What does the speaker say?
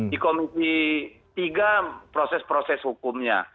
di komisi tiga proses proses hukumnya